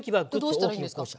これどうしたらいいんですか？